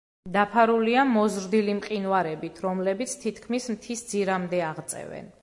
დაფარულია მოზრდილი მყინვარებით, რომლებიც თითქმის მთის ძირამდე აღწევენ.